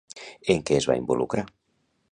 En què es va involucrar?